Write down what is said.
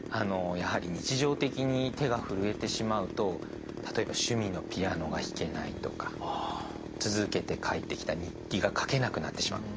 やはり日常的に手がふるえてしまうと例えば趣味のピアノが弾けないとか続けて書いてきた日記が書けなくなってしまう。